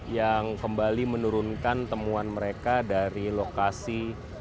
yang kembali menurunkan temuan mereka dari lokasi